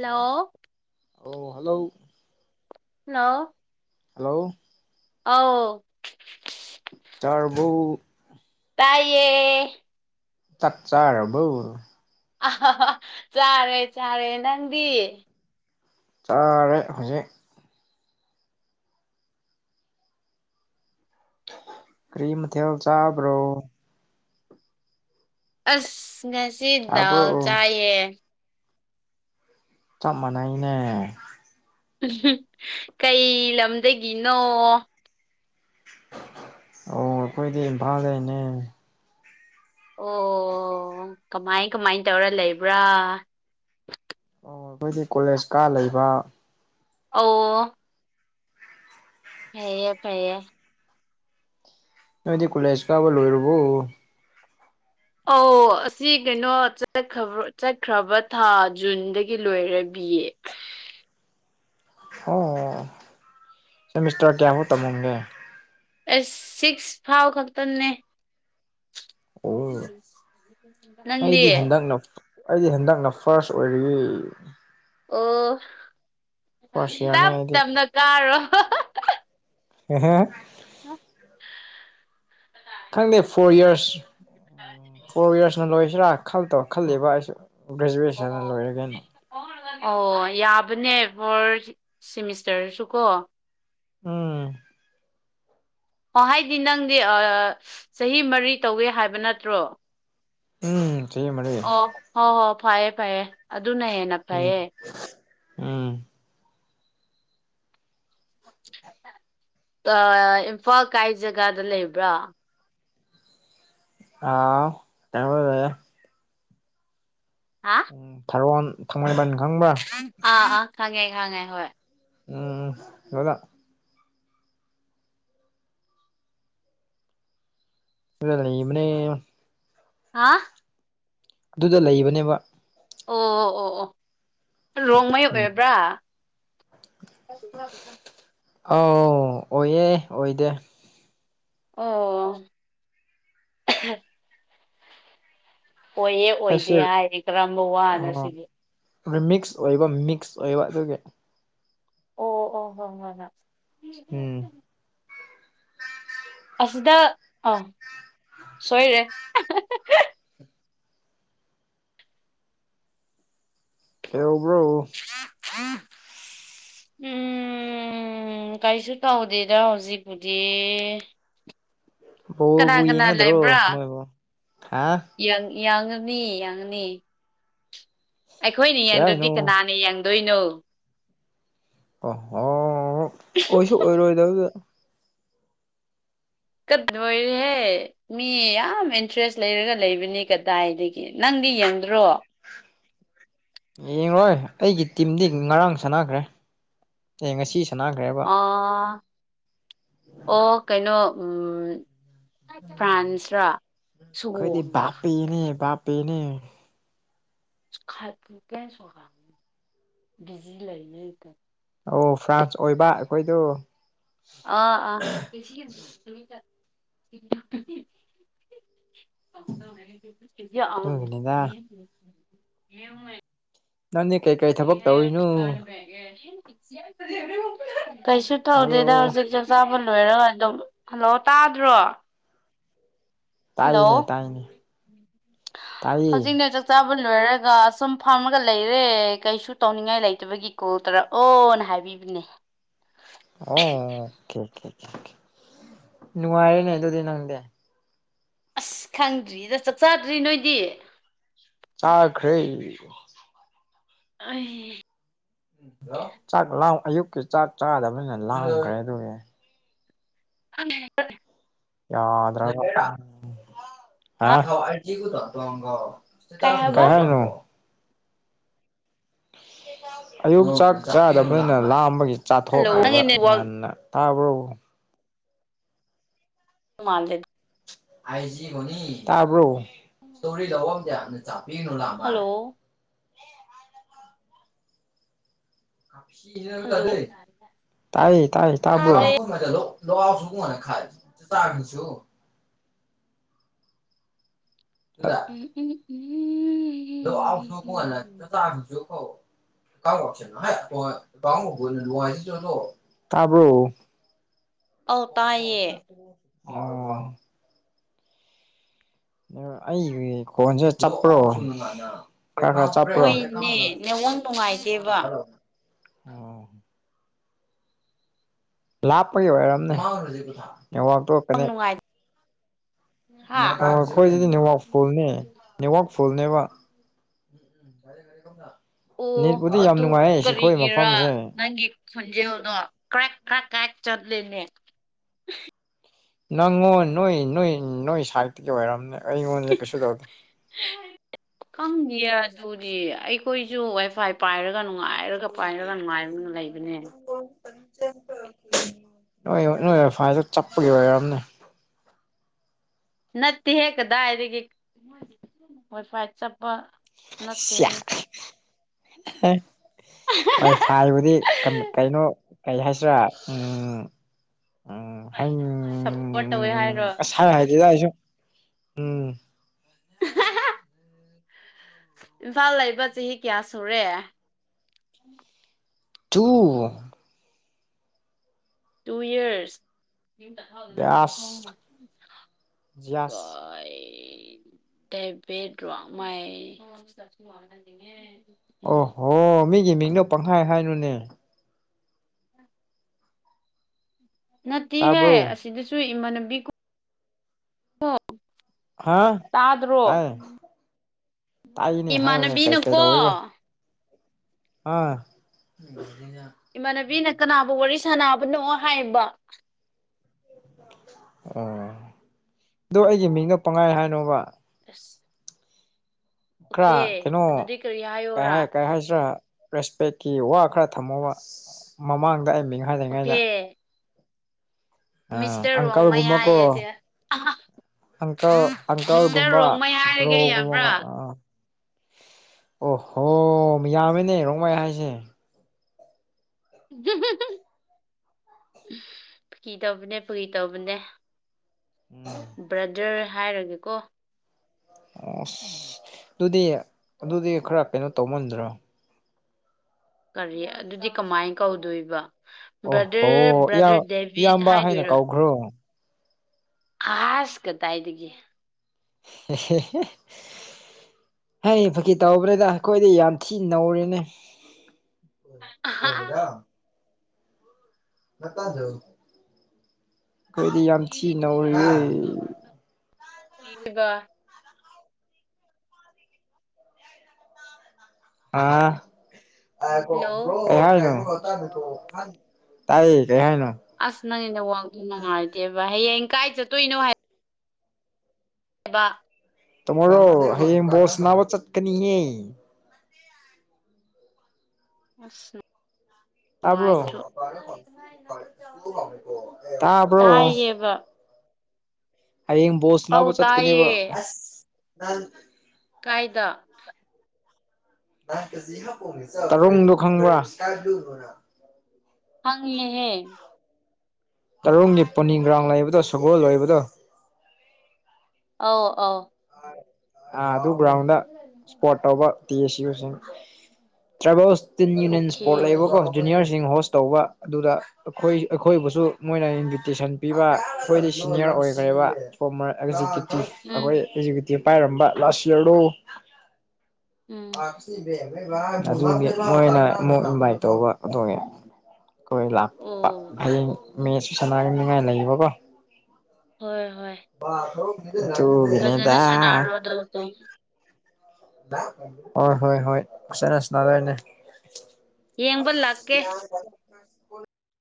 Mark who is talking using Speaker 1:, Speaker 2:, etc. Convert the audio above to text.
Speaker 1: hello ꯑꯣ hello
Speaker 2: ꯍꯣ
Speaker 1: hello
Speaker 2: ꯑꯥꯎ
Speaker 1: ꯇꯥꯔꯕꯨ
Speaker 2: ꯇꯥꯏꯌꯦ
Speaker 1: ꯇꯠ ꯆꯥꯔꯔꯕꯧ
Speaker 2: ꯑ ꯆꯥꯔꯦ ꯆꯥꯔꯦ ꯅꯪꯗꯤ
Speaker 1: ꯆꯥꯔꯦ ꯍꯧꯖꯤꯛ ꯀ꯭ꯔꯤꯃ ꯊꯦꯜ ꯆꯥꯕ꯭ꯔꯣ
Speaker 2: ꯑꯁ ꯉꯁꯤꯗꯥꯎ
Speaker 1: ꯇꯥꯕ꯭ꯔꯣ
Speaker 2: ꯆꯥꯏꯌꯦ
Speaker 1: ꯆꯞ ꯃꯥꯟꯅꯩꯅꯦ
Speaker 2: ꯎ ꯀꯩ ꯂꯝꯗꯒꯤꯅꯣ
Speaker 1: ꯑꯣ ꯑꯩꯈꯣꯏꯗꯤ ꯏꯝꯐꯥꯜꯗꯅꯦ
Speaker 2: ꯑꯣ ꯀꯃꯥꯏ ꯀꯃꯥꯏ ꯇꯧꯔ ꯂꯩꯕ꯭ꯔꯥ
Speaker 1: ꯑꯣ ꯑꯩꯈꯣꯏꯗꯤ ꯀꯣꯂꯦꯖ ꯀꯥ ꯂꯩꯕ
Speaker 2: ꯑꯣ ꯐꯌꯦ ꯐꯌꯦ
Speaker 1: ꯅꯗꯤ ꯀꯂꯦꯁ ꯀꯥꯕ ꯂꯣꯏꯔꯕꯣ
Speaker 2: ꯑꯧ ꯑꯁꯤ ꯀꯩꯅꯣꯈ ꯆꯠꯈ꯭ꯔꯕ ꯊꯥ ꯖꯨꯟꯗꯒꯤ ꯂꯣꯏꯔꯕꯤꯌꯦ
Speaker 1: ꯑꯣ ꯁꯦꯃꯤꯁꯇꯔ ꯀꯌꯥꯕꯨ ꯇꯝꯃꯨꯡꯒꯦ
Speaker 2: ꯑꯦꯁ ꯁꯤꯛꯁ ꯐꯥꯎ ꯈꯛꯇꯅꯦ
Speaker 1: ꯑꯣ
Speaker 2: ꯅꯪꯗꯤ
Speaker 1: ꯦꯡꯅꯣ ꯑꯩꯗꯤ ꯍꯟꯗꯛꯅ ꯐꯥꯔꯁ ꯑꯣꯏꯔꯤ
Speaker 2: ꯑꯣ
Speaker 1: ꯐꯥꯔꯁ ꯏꯌꯥꯔꯅꯦ
Speaker 2: ꯇꯞ
Speaker 1: ꯑꯩꯗꯤ
Speaker 2: ꯇꯞꯅ ꯀꯥꯔꯣ
Speaker 1: [unintelligible]
Speaker 2: [unintelligible]
Speaker 1: ꯈꯪꯗꯦ ꯐꯣꯔ ꯌꯔꯁ ꯎ ꯐꯣꯔ ꯌꯔꯁꯅ ꯂꯣꯏꯁꯤꯔꯥ ꯈꯜꯛꯇꯣ ꯈꯜꯂꯤꯦꯕ ꯑꯩꯁꯨ ꯒ꯭ꯔꯦꯖꯨꯋꯦꯁꯟꯅ ꯂꯣꯏꯔꯒꯦꯅ
Speaker 2: [unintelligible] ꯑꯣ ꯌꯥꯕꯅꯦ ꯐꯣꯔ ꯁꯤꯦꯃꯤꯁꯇꯔꯁꯨ ꯀꯣ
Speaker 1: ꯎꯝ
Speaker 2: ꯑꯣ ꯍꯥꯏꯗꯤ ꯅꯪꯗꯤ ꯆꯍꯤ ꯃꯔꯤ ꯇꯧꯋꯦ ꯍꯥꯏꯕ ꯅꯠꯇ꯭ꯔꯣ
Speaker 1: [unintelligible]
Speaker 2: ꯍꯣꯏ ꯍꯣꯏ ꯐꯩꯌꯦ ꯐꯌꯦ ꯑꯗꯨꯅ ꯍꯦꯟꯅ
Speaker 1: ꯎꯝ
Speaker 2: ꯐꯩꯌꯦ
Speaker 1: ꯎꯝ
Speaker 2: ꯑ ꯏꯝꯐꯥꯜ ꯀꯥꯏ ꯖꯒꯥꯗ ꯂꯩꯕ꯭ꯔꯥ
Speaker 1: ꯑꯥ ꯇ
Speaker 2: ꯍꯥ
Speaker 1: ꯎꯝ ꯊꯥꯔꯣꯟ ꯊꯥꯡꯃꯩꯕꯟ ꯈꯪꯕ꯭ꯔꯥ
Speaker 2: ꯑꯥ ꯑꯥ ꯈꯪꯉꯦ ꯈꯪꯉꯦ ꯍꯣꯏ
Speaker 1: ꯎꯝ [unintelligible] [unintelligible]
Speaker 2: ꯍꯥ
Speaker 1: ꯑꯗꯨꯗ ꯂꯩꯕꯅꯦꯕ
Speaker 2: ꯑꯣ ꯑꯣ ꯑꯣ ꯔꯣꯡꯉꯩ
Speaker 1: ꯎꯝ
Speaker 2: ꯑꯣꯏꯔꯕ꯭ꯔꯥ [unintelligible]
Speaker 1: ꯑꯥꯎ ꯑꯣꯏꯌꯦ ꯑꯣꯏꯗꯦ
Speaker 2: ꯑꯣ ꯑꯣꯏꯌꯦ ꯑꯣꯏꯗꯦ
Speaker 1: ꯑꯩꯁꯦ
Speaker 2: ꯍꯥꯏꯔꯦ ꯀꯔꯝꯕ ꯋꯥꯅ
Speaker 1: ꯑꯣ
Speaker 2: ꯁꯤꯗꯤ
Speaker 1: ꯔꯤꯃꯤꯛꯁ ꯑꯣꯏꯕ ꯃꯤꯛꯁ ꯑꯣꯏꯕ ꯑꯗꯨꯒꯤ
Speaker 2: ꯑꯣ ꯑꯣ ꯍꯣꯏ ꯍꯣꯏ ꯉ
Speaker 1: ꯎꯝ
Speaker 2: ꯑꯁꯤꯗ ꯑꯥ ꯁꯣꯏꯔꯦ
Speaker 1: ꯇꯦꯌꯥꯎꯕꯔꯣ
Speaker 2: ꯎꯝ ꯎꯝ ꯀꯥꯔꯤꯁꯨ ꯇꯧꯗꯦꯗ ꯍꯧꯖꯤꯛꯄꯨꯗꯤ ꯀꯅꯥ
Speaker 1: ꯕꫭꯜꯕꯨ
Speaker 2: ꯀꯅꯥ
Speaker 1: ꯌꯦꯡꯉꯗ꯭ꯔꯣ
Speaker 2: ꯂꯩꯕ꯭ꯔꯥ
Speaker 1: ꯅꯣꯏꯕꯨ ꯍꯥ
Speaker 2: ꯌꯥꯡꯉꯅꯤ ꯌꯥꯡꯉꯅꯤ ꯑꯩꯈꯣꯏꯅ
Speaker 1: ꯀꯩ
Speaker 2: ꯌꯦꯡꯗ꯭ꯔꯗꯤ
Speaker 1: ꯍꯥꯏꯅꯣ
Speaker 2: ꯀꯅꯥꯅ ꯌꯦꯡꯗꯣꯏꯅꯣ
Speaker 1: ꯑꯣ ꯍꯣ ꯑꯣꯏꯁꯨ ꯑꯣꯏꯔꯣꯏꯗꯕꯗ
Speaker 2: [unintelligible] ꯃꯤ ꯌꯥꯝ ꯏꯟꯇ꯭ꯔꯦꯁ ꯂꯩꯔꯒ ꯂꯩꯕꯅꯤ ꯀꯗꯥꯏꯗꯒꯤ ꯅꯪꯗꯤ ꯌꯦꯡꯗ꯭ꯔꯣ
Speaker 1: ꯌꯦꯡꯉꯣꯏ ꯑꯩꯒꯤ ꯇꯤꯝꯗꯤ ꯉꯔꯥꯡ ꯁꯥꯟꯅꯈ꯭ꯔꯦ ꯑꯦ ꯉꯁꯤ ꯁꯥꯟꯅꯈ꯭ꯔꯦꯕ
Speaker 2: ꯑ ꯑꯣ ꯀꯩꯅꯣ ꯎꯝ ꯐ꯭ꯔꯥꯟꯁꯔꯥ ꯁꯣꯑꫭꯡꯉꯥ
Speaker 1: ꯏꯅꯦꯗꯥꯞ [unintelligible]
Speaker 2: [unintelligible]
Speaker 1: ꯑꯣ ꯐ꯭ꯔꯥꯟꯁ ꯑꯣꯏꯕ ꯑꯩꯈꯣꯏꯗꯣ
Speaker 2: ꯑꯥ ꯑꯥ [unintelligible]
Speaker 1: ꯑꯗꯨꯒꯤꯅꯤꯗ
Speaker 2: [unintelligible]
Speaker 1: ꯅꯪꯗꯤ ꯀꯩꯀꯩ ꯊꯕꯛ ꯇꯧꯔꯤꯅꯣ
Speaker 2: [unintelligible] ꯀꯩꯁꯨ ꯇꯧꯗꯦꯗꯥ
Speaker 1: ꯍꯜꯂꯣ
Speaker 2: ꯍꯧꯖꯤꯛꯇꯤ ꯆꯥꯕ ꯂꯣꯏꯔ ꯑꯗꯨꯝ ꯍꯜꯂꯣ ꯇꯥꯗ꯭ꯔꯣ ꯍꯜꯂꯣ
Speaker 1: ꯇꯥꯏꯅꯦ ꯇꯥꯏꯅꯦ ꯇꯥꯏꯌꯦ
Speaker 2: ꯍꯧꯖꯤꯛꯅꯦ ꯆꯥꯛ ꯆꯥꯕ ꯂꯣꯏꯔꯒ ꯁꯨꯝ ꯐꯝꯃꯒ ꯂꯩꯔꯦ ꯀꯩꯁꯨ ꯇꯧꯅꯤꯡꯉꯥꯏ ꯂꯩꯇꯕꯒꯤ ꯀꯣꯜ ꯇꯧꯔꯛꯑꯣꯅ ꯍꯥꯏꯕ ꯃꯤꯕꯅꯦ
Speaker 1: ꯑꯣ ꯀꯦꯀꯦ ꯀꯦꯀꯦ ꯅꯨꯡꯉꯥꯏꯔꯦꯅꯦ ꯑꯗꯨꯗꯤ ꯅꯪꯗꯤ
Speaker 2: ꯑꯁ ꯈꯪꯗ꯭ꯔꯤꯗ ꯆꯥꯛ ꯆꯥꯗ꯭ꯔꯤ ꯅꯣꯏꯗꯤ
Speaker 1: ꯆꯥꯈ꯭ꯔꯦ
Speaker 2: ꯑꯩ [unintelligible]
Speaker 1: ꯆꯥꯛ ꯂꯥꯎ ꯑꯌꯨꯛꯀꯤ ꯆꯥꯛ ꯆꯥꯗꯕꯅꯤꯅ ꯂꯥꯡꯈ꯭ꯔꯦ ꯑꯗꯨꯒꯤ
Speaker 2: [unintelligible]
Speaker 1: ꯌꯥꯗꯔꯕ [unintelligible]
Speaker 2: ꯍꯥ
Speaker 1: ꯑꯥ
Speaker 2: ꯀꯩ
Speaker 1: [unintelligible] [unintelligible]
Speaker 2: ꯍꯥꯏꯕ
Speaker 1: ꯀꯩꯍꯥꯏꯅꯣ ꯑꯌꯨꯛ ꯆꯥꯛ ꯆꯥꯗꯕꯅꯤꯅ ꯂꯥꯝꯕꯒꯤ
Speaker 2: ꯍꯜꯂꯣ
Speaker 1: ꯆꯥꯊꯣꯛ꯭ꯔꯦꯕ
Speaker 2: ꯅꯪꯒꯤ ꯅꯦꯠꯋꯥꯛ
Speaker 1: ꯉꯟꯅ ꯇꯥꯕ꯭ꯔꫭ
Speaker 2: ꯃꯥꯟꯂꯦ
Speaker 1: [unintelligible] ꯇꯥꯕ꯭ꯔꯣ [unintelligible]
Speaker 2: ꯍꯜꯂꯣ ꯍꯜꯂꯣ
Speaker 1: [unintelligible] ꯇꯥꯏꯌꯦ ꯇꯥꯏꯌꯦ ꯇꯥꯕ꯭ꯔꯣ
Speaker 2: ꯇꯥꯗ꯭ꯔꯦ
Speaker 1: [unintelligible] [unintelligible] [unintelligible]
Speaker 2: ꯎꯝ [unintelligible] ꯎꯝ ꯎꯝ
Speaker 1: [unintelligible] [unintelligible] ꯇꯥꯕ꯭ꯔꫭ
Speaker 2: ꯑꯧ ꯇꯥꯏꯌꯦ
Speaker 1: [unintelligible] ꯑꯣ ꯑꯩꯒꯤ ꯈꯣꯟꯁꯦ ꯆꯥꯞꯄ꯭ꯔꯣ ꯈꯔ [unintelligible] [unintelligible] ꯆꯥꯞꯄ꯭ꯔꯑꯣ
Speaker 2: ꯍꯣꯏꯅꯦ ꯅꯦꯠꯋꯥꯛ ꯅꯨꯡꯉꯥꯏꯇꯦꯕ
Speaker 1: [unintelligible] ꯂꯥꯞꯄꯒꯤ ꯑꯣꯏꯔꯝꯅꯤ ꯅꯦꯠ ꯋꯥꯛ
Speaker 2: ꯅꯦꯠꯋꯥꯛ ꯅꯨꯡꯉꯥꯏ ꯍꯥ
Speaker 1: [unintelligible] ꯑꯩꯈꯣꯏꯁꯤꯗꯤ ꯅꯦꯠꯋꯥꯛ ꯐꯨꯜꯅꯦ ꯅꯦꯠ ꯋꯥꯛ ꯐꯨꯜꯅꯦꯕ [unintelligible]
Speaker 2: ꯑꯣ
Speaker 1: ꯅꯦꯠꯄꯨꯗꯤ ꯌꯥꯝ
Speaker 2: ꯑꯗꯨ
Speaker 1: ꯅꯨꯡꯉꯥꯏꯌꯦ ꯁꯤꯈꯣꯏ
Speaker 2: ꯀꯔꯤꯒꯤꯔꯥ
Speaker 1: ꯃꯐꯝꯁꯦ
Speaker 2: ꯅꯪꯒꯤ [unintelligible] [inaudible]
Speaker 1: ꯅꯪꯉꯣꯟ ꯅꯣꯏ ꯅꯣꯏ ꯅꯣꯏ ꯁꯥꯏꯠꯇꯒꯤ ꯑꯣꯏꯔꯝꯅꯦ ꯑꯩꯉꯣꯟꯗꯗꯤ ꯀꯩꯁꯨ ꯇꯧꯗꯦ
Speaker 2: ꯈꯪꯗꯤꯌꯦ ꯑꯗꯨꯗꯤ ꯑꯩꯈꯣꯏꯖꯨ ꯋꯥꯏꯐꯥꯏ ꯄꯥꯏꯔꯒ ꯅꯨꯡꯉꯥꯏꯔꯒ ꯄꯥꯏꯔꯒ ꯅꯨꯡꯉꯥꯏꯕ ꯂꯩꯕꯅꯦ
Speaker 1: [unintelligible] ꯅꯣꯏ ꯅꯣꯏ ꯋꯥꯏꯐꯥꯏꯗ ꯆꯄꯒꯤ ꯑꯣꯏꯔꯥꯝꯅꯦ
Speaker 2: ꯅꯠꯇꯦ ꯍꯦ ꯀꯗꯥꯏꯗꯒꯤ ꯋꯥꯏ ꯐꯥꯏ ꯆꯞꯄ
Speaker 1: [unintelligible] ꯋꯥꯏ ꯐꯥꯏꯕꯨꯗꯤ ꯀꯩꯅꯣ ꯀꯩ ꯍꯥꯏꯁꯤꯔꯥ ꯎꯝ ꯎꯝ
Speaker 2: ꯁꯞꯄꯣꯔꯠ ꯇꯧꯋꯦ ꯍꯥꯏꯔꯣ
Speaker 1: ꯁꯥꯏ ꯍꯥꯏꯗꯦꯗ ꯑꯩꯁꯨ ꯎꯝ
Speaker 2: [unintelligible] ꯏꯝꯐꯥꯜ ꯂꯩꯕ ꯆꯍꯤ ꯀꯌꯥ ꯁꯨꯔꯦ
Speaker 1: ꯇꯨ
Speaker 2: ꯇꯨ ꯏꯌꯔꯁ
Speaker 1: ꯌꯥꯁ ꯖꯤꯌꯥꯁ
Speaker 2: [unintelligible] [unintelligible]
Speaker 1: ꯑꯣꯍꯣ ꯃꯤꯒꯤ ꯃꯤꯡꯗꯣ ꯄꯪꯍꯥꯏ ꯍꯥꯏꯅꯨꯅꯦ
Speaker 2: [unintelligible] ꯅꯠꯇꯦꯍꯦ
Speaker 1: ꯇꯥꯕ꯭ꯔꯣ
Speaker 2: ꯑꯁꯤꯗꯁꯨ ꯏꯃꯥꯟꯅꯕꯤ
Speaker 1: ꯍꯥ
Speaker 2: ꯇꯥꯗ꯭ꯔꯣ
Speaker 1: ꯇꯥꯏꯌꯦ ꯇꯥꯏꯌꯦꯅꯦ ꯍꯥꯏꯌꯨꯅꯦ ꯀꯩ ꯀꯩ
Speaker 2: ꯏꯃꯥꯟꯅꯕꯤꯅꯀꯣ
Speaker 1: ꯇꯧꯋꯦꯕ ꯑꯥ [unintelligible]
Speaker 2: ꯏꯃꯥꯟꯅꯕꯤꯅ ꯀꯅꯥꯕꯨ ꯋꯥꯔꯤ ꯁꯥꯟꯅꯕꯅꯣ ꯍꯥꯏꯌꯦꯕ
Speaker 1: ꯑꯣ ꯑꯗꯣ ꯑꯩꯒꯤ ꯃꯤꯡꯅ ꯄꯪꯍꯥꯏ ꯍꯥꯏꯅꯣꯕ
Speaker 2: [unintelligible]
Speaker 1: ꯈꯔ
Speaker 2: ꯑꯣꯀꯦ
Speaker 1: ꯀꯩꯅꯣ
Speaker 2: ꯑꯗꯨꯗꯤ ꯀꯔꯤ
Speaker 1: ꯀꯩ
Speaker 2: ꯍꯥꯏꯌꯣꯔꯥ
Speaker 1: ꯍꯥꯏ ꯀꯩ ꯍꯥꯏꯁꯤꯔꯥ ꯔꯦꯁꯄꯦꯛꯀꯤ ꯋꯥ ꯈꯔ ꯊꯝꯃꯣꯕ ꯃꯃꯥꯡꯗ ꯑꯩ ꯃꯤꯉ
Speaker 2: ꯑꯣꯀꯦ
Speaker 1: ꯑ
Speaker 2: ꯃꯤꯁꯇꯔ
Speaker 1: ꯑꯪꯀꯜ
Speaker 2: ꯔꯣꯡꯃꯩ
Speaker 1: ꯒꯨꯝꯕꯀꯣ
Speaker 2: ꯍꯥꯏꯌꯦꯗꯤ
Speaker 1: ꯑꯪꯀꯜ
Speaker 2: ꯃꯤꯁꯇꯔ
Speaker 1: ꯑꯪꯀꯜꯒꯨꯝꯕ
Speaker 2: ꯔꯣꯡꯃꯩ ꯍꯥꯏꯔꯒꯦ ꯌꯥꯕ꯭ꯔꯥ
Speaker 1: ꯕ꯭ꯔꯣꯒꯃ ꯑ ꯑꯣ ꯍꯣ ꯌꯥꯝꯃꯤꯅꯦ ꯔꯣꯡꯃꯥꯏ ꯍꯥꯏꯁꯦ
Speaker 2: [unintelligible] ꯐꯒꯤ ꯇꯧꯕꯅꯦ ꯐꯒꯤ ꯇꯧꯕꯅꯦ
Speaker 1: [unintelligible]
Speaker 2: ꯕ꯭ꯔꯗꯔ ꯍꯥꯏꯔꯒꯦꯀꯣ
Speaker 1: ꯑꯣꯁ ꯑꯗꯨꯗꯤ ꯑꯗꯨꯗꯤ ꯈꯔ ꯀꯩꯅꯣ ꯇꯧꯃꯟꯗ꯭ꯔꯣ
Speaker 2: ꯀꯔꯤ ꯑꯗꯨꯗꯤ ꯀꯃꯥꯏꯅ ꯀꯧꯗꯣꯏꯕ ꯕ꯭ꯔꯗꯔ
Speaker 1: ꯑꯣꯍꯣ ꯏꯌꯥꯝ
Speaker 2: ꯕ꯭ꯔꯗꯔ ꯗꯦꯕꯤꯠ
Speaker 1: ꯏꯌꯥꯝꯕ
Speaker 2: ꯍꯥꯏꯗꯣꯏꯔꯥ
Speaker 1: [unintelligible]
Speaker 2: ꯑꯥꯁ ꯀꯗꯥꯥꯏꯗꯒꯤ
Speaker 1: ꯍꯦꯍꯦ ꯑꯩꯅ ꯐꯥꯒꯤ ꯇꯧꯕꯅꯤꯗ ꯑꯩꯈꯣꯏꯗꯤ ꯌꯥꯝ ꯊꯤꯅ ꯅꯧꯔꯦꯅꯦ
Speaker 2: ꯑꯍꯥ
Speaker 1: [unintelligible] [unintelligible] ꯀꯣꯏꯗꯤ ꯌꯥꯝ ꯊꯤ ꯅꯧꯔꯤꯌꯦ
Speaker 2: [unintelligible] ꯍꯜꯂꯣ
Speaker 1: [unintelligible] ꯀꯩꯍꯥꯏꯅꯣ ꯇꯥꯏ ꯀꯩꯍꯥꯏꯅꯣ
Speaker 2: ꯑꯁ ꯅꯪꯩꯅ ꯋꯥꯡ ꯅꯨꯡꯉꯥꯏꯗꯦꯕ ꯍꯌꯦꯡ ꯀꯥꯏ ꯆꯠꯇꯣꯏꯅꯣ ꯍꯥꯏ [unintelligible]
Speaker 1: ꯇꯥꯃꯣꯣꯔꯣ ꯍꯌꯦꯡ ꯕꯣꯁ ꯅꯥꯕ ꯆꯠꯀꯅꯤꯌꯦ
Speaker 2: ꯑꯁ
Speaker 1: [unintelligible] ꯇꯥꯕ꯭ꯔꯣ
Speaker 2: ꯅꯨꯡꯉꯥꯏꯇ꯭ꯔꯨ
Speaker 1: [inaudible] ꯇꯥꯕ꯭ꯔꯣ
Speaker 2: ꯇꯥꯏꯌꯦꯕ
Speaker 1: ꯍꯌꯦꯡ ꯕꯣꯜ
Speaker 2: ꯑꯧ
Speaker 1: ꯁꯥꯟꯅꯕ ꯆꯠꯀꯅꯦꯕ
Speaker 2: ꯇꯥꯏꯌꯦ
Speaker 1: [unintelligible]
Speaker 2: ꯀꯥꯏꯗ
Speaker 1: ꯇꯔꯨꯡꯗꯣ ꯈꯪꯕ꯭ꯔꯥ
Speaker 2: ꯍꯪꯦꯍꯦ
Speaker 1: ꯇꯔꯣꯡꯒꯤ ꯄꯣꯅꯤ ꯒ꯭ꯔꯥꯡ ꯂꯩꯕꯗꯣ ꯁꯒꯣꯜ ꯂꯩꯕꯗꯣ
Speaker 2: ꯑꯥꯎ ꯑꯥꯎ
Speaker 1: ꯑ ꯑꯗꯨ ꯒ꯭ꯔꯥꯎꯟꯗ ꯏꯁꯄꯣꯔꯠ ꯇꯧꯕ ꯄꯤ ꯑꯦꯁ ꯌꯨꯁꯤꯡ ꯇ꯭ꯔꯥꯏꯕꯦꯜꯁ ꯇꯤꯟ ꯌꯨꯅꯤꯌꯟ ꯏꯁꯄꯣꯔꯠ
Speaker 2: ꯑꯣꯀꯦ
Speaker 1: ꯂꯩꯕꯀꯣ ꯖꯨꯅꯤꯌꯔꯁꯤꯡ ꯍꯣꯁ ꯇꯧꯕ ꯑꯗꯨꯗ ꯑꯩꯈꯣꯏ ꯑꯩꯈꯣꯏꯕꯨꯁꯨ ꯃꯣꯏꯅ ꯏꯟꯚꯤꯇꯦꯁꯟ ꯄꯤꯕ ꯑꯩꯈꯣꯏꯗꯤ ꯁꯤꯅꯤꯌꯔ ꯑꯣꯏꯈ꯭ꯔꯦꯕ ꯐꯣꯔꯃꯔ ꯑꯦꯛ
Speaker 2: ꯎꯝ
Speaker 1: ꯑꯩꯈꯣꯏ ꯑꯦꯖꯤꯀꯦꯇꯤꯚ ꯄꯥꯏꯔꯝꯕ ꯂꯥꯁ ꯌꯌꯥꯔꯗꯣ
Speaker 2: ꯎꯝ
Speaker 1: ꯑꯗꯨꯒꯤ ꯃꯣꯏꯅ ꯑꯃꯨꯛ ꯏꯟꯚꯥꯏꯠ ꯇꯧꯕꯣꯡꯉꯦ ꯑꯩꯈꯣꯏ ꯂꯥꯛꯄ
Speaker 2: ꯑꯣ
Speaker 1: ꯍꯌꯦꯡ ꯃꯦꯁꯨ ꯁꯅꯥꯒꯅꯤꯉꯥꯏ ꯂꯩꯌꯦꯕꯀꯣ
Speaker 2: ꯍꯣꯏ ꯍꯣꯏ
Speaker 1: ꯇꯒꯅꯦꯗ
Speaker 2: ꯑ
Speaker 1: ꯍꯣꯏ ꯍꯣꯏ ꯍꯣꯏ ꯐꯁꯅꯁꯅꯥꯗꯔꯅꯦ
Speaker 2: ꯌꯦꯡꯕ ꯂꯥꯛꯀꯦ